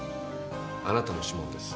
あなたの指紋です。